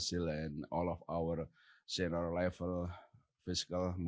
saya ingin menginvite tuan tuan peri warjio